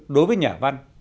đối với nhà văn